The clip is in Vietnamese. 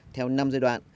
theo năm giai đoạn